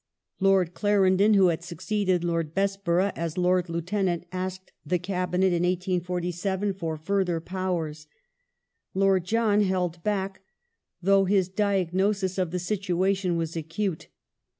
Lord Clarendon who had succeeded Lord Bessborough as Lord Lieutenant, asked the Cabinet in 1847 for further powers. Lord John held back, though his diagnosis of the situation was acute.